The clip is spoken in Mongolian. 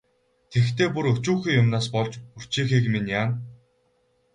Тэгэхдээ бүр өчүүхэн юмнаас болж үрчийхийг минь яана.